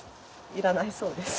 要らないそうです。